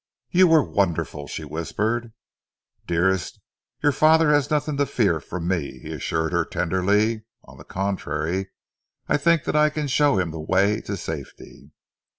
"You were wonderful," she whispered. "Dearest, your father has nothing to fear from me," he assured her tenderly. "On the contrary, I think that I can show him the way to safety."